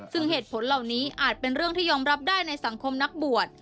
ซึ่งเหตุผลเหล่านี้อาจเป็นเรื่องที่ยอมรับได้ในสังคมนักบวช